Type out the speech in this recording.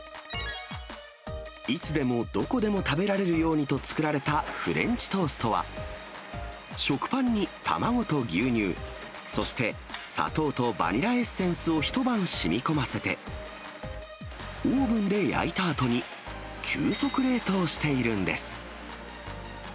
いつでもどこでも食べられるようにと作られたフレンチトーストは、食パンに卵と牛乳、そして砂糖とバニラエッセンスを一晩しみこませて、オーブンで焼いたあとに、急速冷凍しているんです。